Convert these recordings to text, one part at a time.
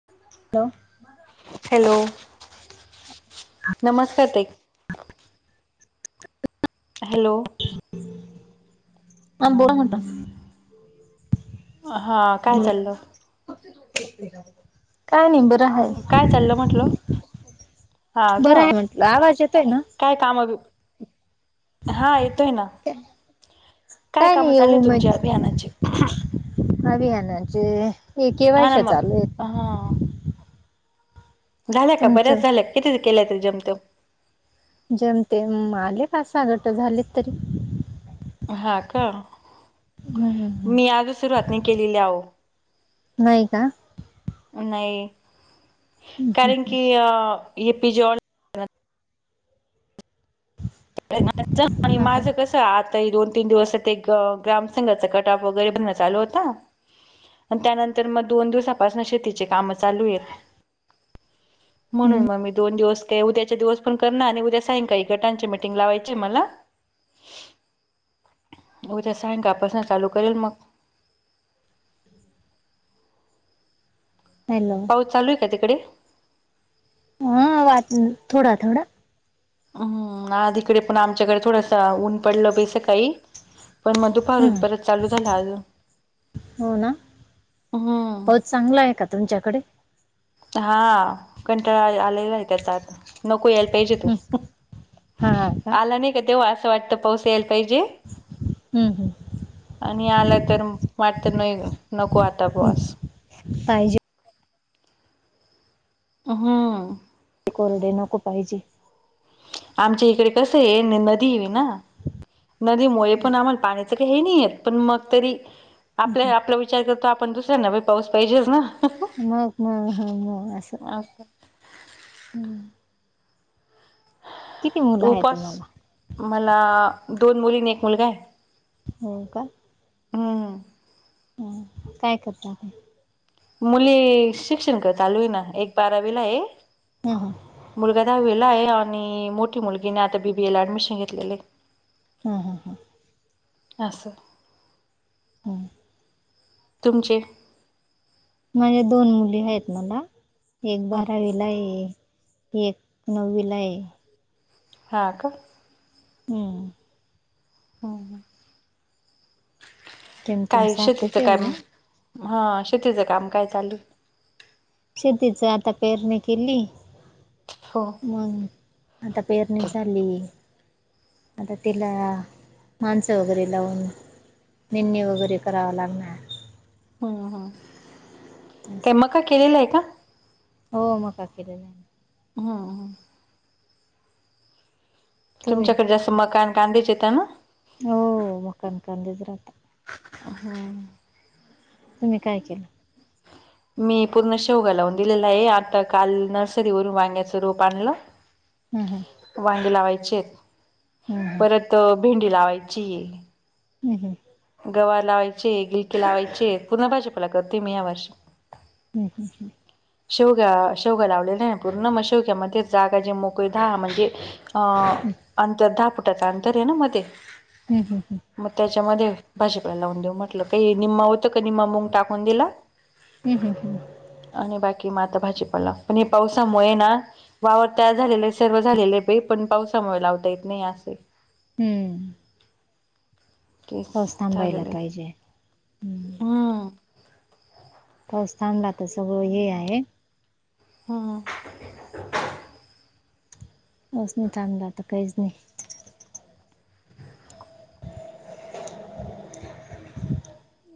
[unintelligible] Hello, नमस्कार ताई. Hello. आ, बोला म्हटलं. अ हां, काय चाललं? का नाई, बर रं हाय. काय चाललं म्हटलं हा का बरं हाय म्हटलं. आवाज येतय नं? काय काम अजूक हा, येतोय ना. काय काम नाही ये चालूए तुमची उमेद अभियानाची? अभियानाचे, हा ना ईकेव्हायशा मग चालूयेत. हा, झाल्या का? तुमचं बऱ्याच झाल्या, किती केल्याय तरी जेमतेम? जेमतेम, आले का पाच-सहा गटं झालेत तरी. हा, का. हम्म हम्म हम्म. मी आजच सुरुवात नाई केलेली अओ. नाही का? नाई. कारण की, अ ए पि जे ऑ [unintelligible] आणि हा हा माझं कस आता हे दोन-तीन दिवस ते, ग ग्रामसंघचा कट ऑफ वगैरे बनणं चालू होता. अन् त्यानंतर मग दोन दिवसापासनं शेतीचे कामं चालूएत. हम्म म्हणून मग मी दोन दिवस काय, उद्याच्या दिवस पण करणार आणि उद्या सायंकाळी गटांची मीट् टिंग लावायचीय मला. उद्या सायंकाळ पासनं चालू करेल मग. हॅलो. चालूए का तिकडे? हम्म, वाट् थोडा-थोडा. हम्म, आधिकडे पण आमच्याकडे थोडंसं ऊन पडलं बाई सकाळी. पण मग दुप् भरून हम्म. परत चालू झालं आजून. हो ना हम्म. पाऊस चांगला आहे का तुमच्याकडे? हा, कंटाळा आले आलेलाय त्याचा आता. नको यायल पाहिजे तो. हम्म आला नाही का, तेव्हा असं वाटतं पाऊस यायल पाहिजे. हम्म. हम्म. आणि आला तर वाटत नाही नको आता बॉस पाहिजे हां कोरडे नको पाहिजे आमच्या इकडे कसं आहे नदी आहे ना नदीमुळे पण आम्हाला पाण्याचं काही हे नाही आहेत पण मग तरी हम्म आपल्या आपला विचार करतो आपण दुसऱ्यांना बा पाऊस पाहिजेच ना मग मग ह मग असं आसत. [unintelligible] किती मुलं आहे उपास, तुम्हाला? मला दोन मुली आणि एक मुलगा आहे. हुं का? हम्म हम काय करता ते? मुली शिक्षण क चालू आहे ना एक बारावीला हाय हं, हं. मुलगा दहावीला आहे आणि मोठी मुलगीने आता बीबीए ला ऍडमिशन घेतलेलं आहे. ह ह हम. आसं. हम. तुमचे? माया दोन मुली आहेत मला एक बारावीला ये. एक नववीला आहे. हा का? हम. हम हम. जेमतेम काय सारखंच शेतीचं आहे बुवा. काम हां शेतीचं काम काय चालू आये? शेतीच आता पेरणी केली. हो. मंग आता पेरणी झाली. आता तिला माणसं वगेरे लावून निेनी वगैरे कराय लागणार हम् ह काय असं. मका केलेलं आहे का? हो मका केलेला आहे. हं हं. तुम्ही? तुमच्याक जास्त मका न कांदेच येता ना? हो मकान कांदेच राहतात हम्. तुमि काय केलं? मी पूर्ण शेवगा लावून दिलेला आहे आता काल नर्सरीवरून वांग्याच रोप आणलं. हम् हं. वांगी लावायचे आहेत हम्म परत भेंडी लावायच्ये. हम् हम. गवार लावायचे [unintelligible] लावायचे पुन्हा भाजिपाला करते मी यावर्षी. हम् हम हम्. शेवगा शेवगा लावलेना पूर्ण म शेवग्यामध्ये जागा जे मोकळी धा म्हणजे अ आमच्यात दहा फुटाच अंतर आहे ना मधे. हम हं हं. मंग त्यांच्यामध्ये भाजीपला लावूंन देऊं म्हटलं कांहीं निम्मा होतं कां निम्मा मम टाकूंन दिलां. हम्मं हम्मं हम्मं. आणि बाकी मं आंता भाजीपाला पणं हे पावसांमुळे नां वावर तयार झालेले आये सर्व झालेले आहे बई पणं पावसांमुळे लावंता येतं नाहीं आसं आये. हम्मं. ठीक पाऊस थांबायला पाहिजे. हम्मं. हम्म पाऊस थांबला तरं सगळं हे आहे. हम्मं. असंस नाहीं थांमला चांगला तरं कांहींचं नाहीं.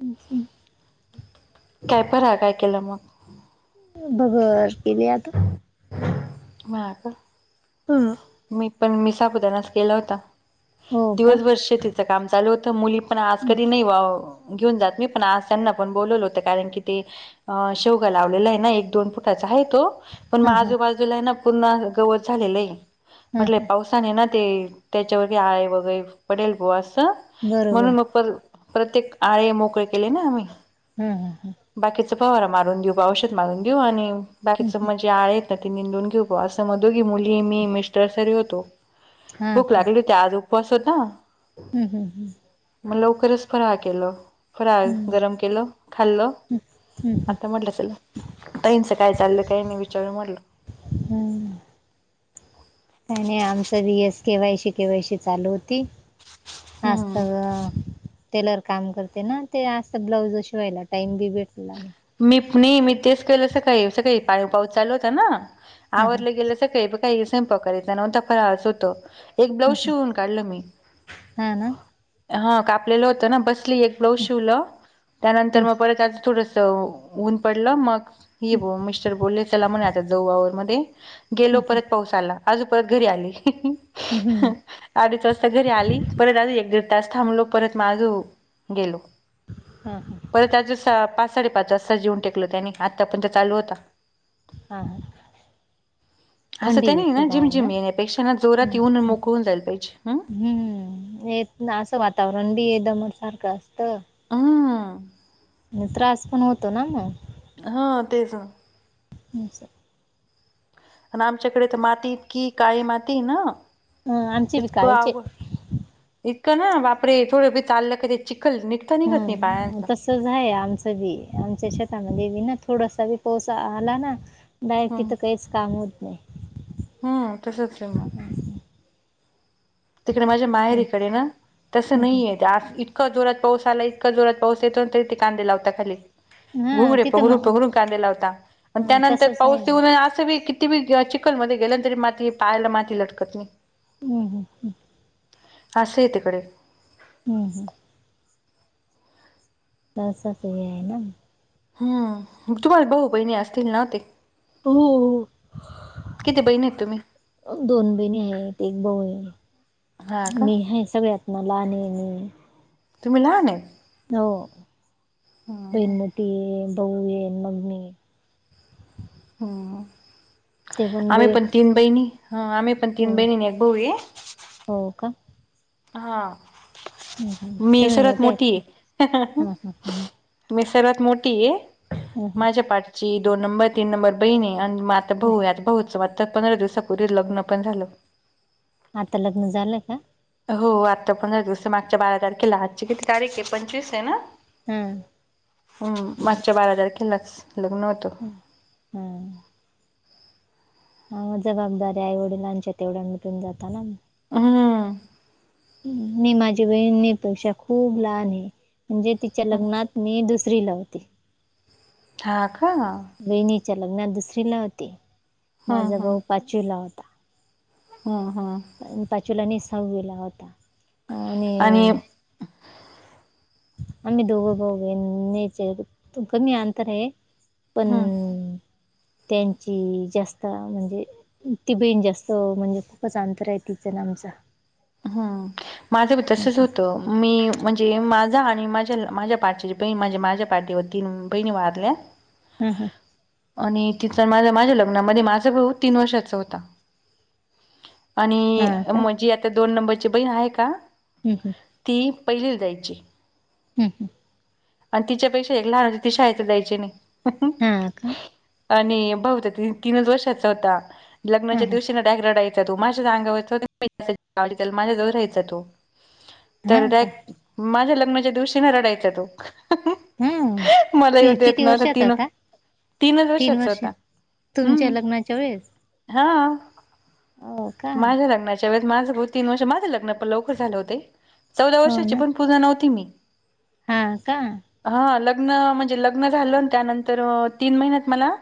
हम्मं कायं फरांळ कायं केलं मंग. भगर केले आंता. हां कां हम्मं मी पणं मी साबुदांणचं केलां होतां हो का? दिवसंभरं शेतीत. कामं चालूं होतं मुली पणं आंज कधी नाहीं व्हांवा. घेऊन जाती नाहीं पण आंज त्यांना पणं बोलवलं होतं कारणं की ते. अं शेवगां लावलेला आहे नां एक दोन फुटांचा आहे तो. पणं हा हा आजूंबाजूंला नां पूर्ण असं गवतं झालेलं आहे. हा म्हंटले हा पावसांने ना ते त्यांच्यावरची आळे वगैरेंच्या पडेल गो असं. बरोबर. म्हणूंन मंग प्रत्येक आळे मोकळे केले नां आम्हीं हम्मं हम्मं हम्मं बाकीचा पवारांनी मारूंन देऊं बा औषध मारूंन देऊं आणि बाकीच मजं. जे आं आहेतं नां ती निंदूंन घेऊ असं म्हणतो की मुली मी मिस्टर्सरी होतो हा भूकं लागली होती आंज उपवांसत नां हम्मं हम्मं मंग लवकरचं पर्वा केलं. फ्रळा गरमं केलं खांल्ल आंता म्हटलं चलां.... ताईनचं कायं चाललं कांहीं नाहीं विचांरू म्हटलं लं. हम्मं नाहीं नाहीं आणि आमचं B S K Y C K Y C चालूं होती. हम्म असस्व टेलर कामं करते नां ते असं ब्लाऊंज शिवांयला टाइम बी भेटला मी नाहीं मी तेचं केलं असं कांहीं असं कांहीं पाळी पाऊस चालूं होतां नां हां हां आवडलं गेलं असं कांहीं. कांही सं स्वयंपाक करायचां नाहीं पकडयचा नवता फांर आस होतो. एक हं ब्लाऊज हं शिवूंन काढलं मी.... हां ना हा कापलेलं होतं नां बसं. एक ब्लाज हं शिवलं त्यानंतर हं मंग परंत एकदां त्यांचं थोडं ऊंन पडलं मंग. ये बं मिस्टर बोलले त्यांला म्हंणां आंता जाऊं वावरं मध्यें गेलो परंत पाऊस. आंज परंत घरी आली. हं हं अडीच वाजतां घरी आली परंत अंजू एक दीड तांस थांबलो परंत हां माजूं गेलो. हम्मं हम्मं परंत आंज पांच साडेपाच वाजतां येेऊंन टेकल त्यानी आत्ता पर्यंत चालूं होतां. हां हं असं त्यां नाहीं नां जिम ना? जिम येण्यांपेक्षा नां जोरांत येऊंन मोकळूंन जायलां पाहिजे हं. हम्म, हे येतंन असं वातावरण बी दमन सारखं असतं. अं, हं. मग त्रास पण होतो, ना मग? हा तेच. [unintelligible] अन् आमच्याकडे माती इतकी काळी माती आहे ना. हं आमची बी इतकं काळीचे अवघड. इतकं ना बापरे, थोडे बी चाललं कने, चिकखल निघतं निघत नाही हं पायाचं. तसंच आहे आमचं बी, आमच्या शेतामध्ये बी ना थोडासा बी पाऊस आला ना? नाही, हम्म तिथं काहीचं काम होत नाही. हम्म, तसचं असतंय मग. असं तिकडे माझ्या आणि माहेरीकडे ना, तसं हं हं नाहीयेत. त्यात इतकं जोरात पाऊस आलाय, इतकं जोरात पाऊस येतो ना तरी ते कांदे लावता खाली. हां, घुंगरे तिथं पघरून, मग पघरून कांदे लावता आणि हां, त्यानंतर तसंच आहे पाऊस ना. येऊन असं बी कि ती [unintelligible] चिकखलमध्ये गेल्यांतरी माती पायला माती लटकत नाही. हम्म, हम्म. असं आहे तिकडे. हम्म, हम्म. तास जातोय यायला. हम्म, [unintelligible] वैभव भोपळे आज तीनला होते. हो. किती बहिणी आहेत? तुम्ही अं, दोन बहिणी आहेत, एक भाऊ आहे. हा मी का आहे सगळ्यात लहान नी नी. तुम्ही लहान आहेत? हो, [unintelligible] भाऊय, मग मी. हम्म, ते आम्ही बही पण तीन बहिणी, हा आम्ही पण हो, तीन बहिणी आणि एक भाऊ आहे. हो का? हा, हं, हं. मी तुम्ही सर्वात मोठे आहेत का? मोठीये. [unintelligible] हां, हां, हां. मी सर्वात मोठी आहे. हं, हं, माझ्या पाठची दोन नंबर तीन नंबर बहिणीय आणि मग आता हं. भाऊ आहे. आता भाऊचं [unintelligible] पंधरा दिवसापूर्वी लग्न पण झालं. आता लग्न झालंय का? हो, आता पंधरा दिवस मागच्या बारा तारखेला आजची किती तारीख आहे पंचवीस आहे ना. हम्म. हम्म, मागच्या बारा तारखेलाचं लग्न होतं. हम्म. हम्म. हा जबाबदारी आईवडीलांच्या तेवढ्या मिटून जाता ना. हम्म. मी माझी बहिणीपेक्षा खूप लहानेय. म्हणजे तिच्या लग्नात मी दुसरीला होते. हा का? वहिणीच्या लग्नात दुसरीला होते, हम्म माझा भाऊ पाचवीला होता. हं हं. पण पाचवीला नाही सहावीला होता. आणि आम्ही दोघं भावू बहीण मे चे ये. कमी अंतर आहे. पण हम्म त्यांची जास्त म्हणजे ती बहीण जास्त म्हणजे खूपच अंतर आहे, तिचं न आमच. हा. माझं बी तसच असं. होतं. मी म्हणजे माझा आणि माझ्या माझ्या पाठीची बहिणी माणजे माझ्या पाठीवर तीन बहिणी वारल्या ह [inaudible] हा हा. आणि तिचा आणि माझं, माझ्या लग्नामध्ये माझा भाऊ तीन वर्षाचा होता. आणि हां का? म्हणजी आता दोन नंबरची बहीण आहे का हू हू. ती पहिलीला जायची. हं ह. आणि तिच्या पेक्षा एक लहान ती शाळेतच जायची नाही. [inaudible] हा का? आणि बहुदा तीनच वर्षाचा होता. हां लग्नाच्या हां दिवशी ना डाग राडा यचा. तो माझ्याच अंगावर माझ्याजवळ राहायचा तो तर हां का? माझ्या लग्नाच्या दिवशी न रडायचां तो. हम्म. [inaudible] मला येऊ कि देत किती नव्हता वर्षाचा तीण. होता? तीनच तीन वर्षाचा वर्ष होता. तुमच्या लग्नाच्या वेळेस? हां. हो का? माझ्या लग्नाच्या च्या वेळेस माझं भाऊ तीन वर्ष, माझं लग्न पण लवकर झालं होते. चौदा हो वर्षाची ना. पण पूर्ण नव्हती मी. हा का? हा लग्न म्हंजे लग्न झालं, त्यानंतर तीन महिन्यात मला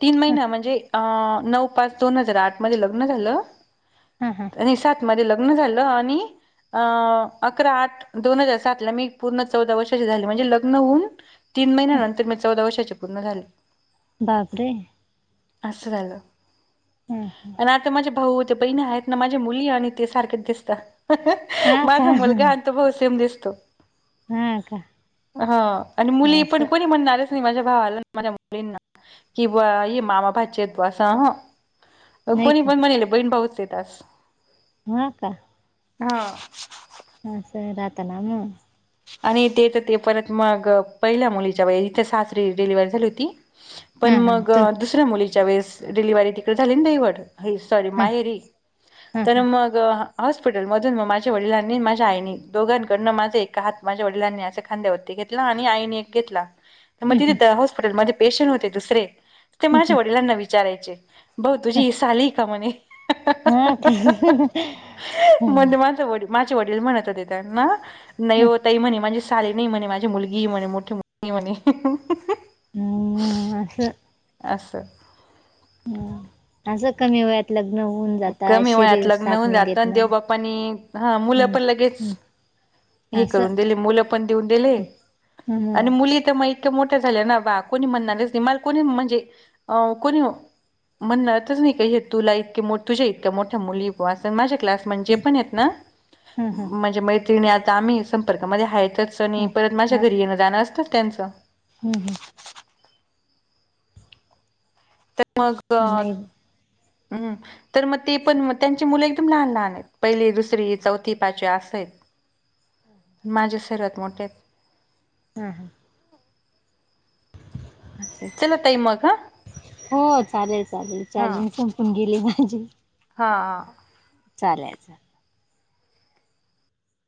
तीन महिन म्हणजे अ नऊ पाच दोन हजार आठ मध्ये लग्न झालं. हा हा. आणि सात मध्ये लग्न झालं आणि अ अकरा आठ दोन हजार सात ला मी पूर्ण चौदा वर्षाचे झाले म्हणजे लग्न होऊन तीन महिन्यानंतर मी चौदा वर्षाचे पूर्ण झाले. बापरे! आसं झालं. हां हा. आणि आता माझे भाऊ ते बहिण आहेत ना, माझे मुली आणि ते सारखे दिसतात. हा का? माझा मुलगा आण तो भाऊ सेम दिसतो. हा का? हा आणि मुली पणं असं कुणी म्हणणारच की माझ्या भावाला आणि माझ्या मुलींना कि बा ये मामा भाची अस तर नाही कुणी का? पण म्हणल, बहीण भाऊच येत अस. हा का? हाव. हा सर हाताला ना म. आणि ते तर ते परत मग, पहिल्या मुलीच्या वेळी इथे सासरी डिलिव्हरी झाली होती. हा पण हा मग तू दुसऱ्या मुलीच्या वेळेस डिलिवरी तिकडे झाली ना, नाही वट हाय सॉरी हा माहेरी, हा तर हा. मग ग हॉस्पिटलमधून माझ्या वडिलांनी म माझ्या आईनी दोघांकडून माझं एक हात माझ्या वडिलांनी अस खांद्यावरती घेतला आणि आईने एक घेतला. म हं हं तिथ हॉस्पिटलमध्ये पेशन होते दुसरे ते हं माझ्या हं. वडिलांना विचारायचे, भाऊ तुझी ही साली हे का म्हणे. हा का? हं. म्हणजे माझ वडील माझे वडील म्हणत होते, त्यांना नाही ओ ताई म्हणे माझी साली नाहीये म्हणे, माझी मुलगी हे म्हणे, मोठी मुलगी हे म्हणे. ह्ह्ह असं. असं. हं असं कमी वयात लग्न होऊन जातात, कमी वयात शरीर लग्न साथ होऊन नाही जात देत आणि ना. देवबाप्पानी हा मुलं हम् पण लगेच हं. हे करून असं दिले, मुलं पण देऊन दिले हं आणि हं. मुली तर माहि इतक्या मोठ्या झाल्या ना बा, कोणी म्हणणारच नई मला कोणी म्हणजे अं कोण म्हणणारतच नाही कि हे तुला इतके मो तुझ्या इतक्या मोठ्या मुलीय बां असं, माझ्या क्लास म्हणजे पण हेत ना, हं हं. माझ्या मैत्रिणीं आता आम्ही संपर्कामध्ये आहेत तेचं आणि हं. परत माझ्या घरी येणं- जाणं असतंच त्यांचं. ह्म हं. मग नाही [unintelligible] ह्म. तर मग ते पण म त्यांची मुलं एकदम लहान-लहान आहेत. पहिली, दुसरी, चौथी, पाचवी असं हेत. [inaudible] हा हा. माझ्या सर्वात मोठेत. हं हं. असं आहे. चला ताई मग हा [inaudible] हो, चालेल- चालेल चार्जिंग संपून गेली माझी. हां. चालेल- चालेल.